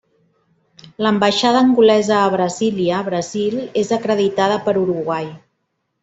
L'ambaixada angolesa a Brasília, Brasil és acreditada per Uruguai.